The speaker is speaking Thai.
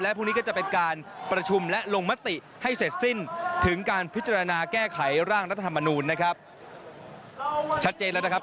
และพรุ่งนี้จะเป็นการประชุมและลงมติให้เสร็จสิ้นถึงพิจารณะแก้ไขส้ด้านรัฐธรรมนูลเองนะครับ